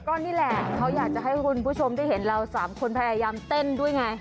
ก็นี่แหละเขาอยากจะให้คุณผู้ชมได้เห็นเราสามคนพยายามเต้นด้วยไง